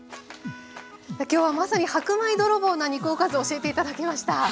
今日はまさに白米泥棒な肉おかずを教えて頂きました。